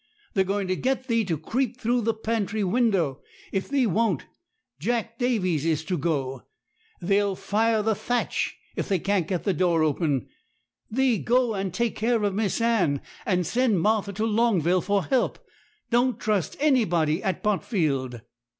They're going to get thee to creep through the pantry window. If thee won't, Jack Davies is to go. They'll fire the thatch, if they can't get the door open. Thee go and take care of Miss Anne, and send Martha to Longville for help. Don't trust anybody at Botfield.'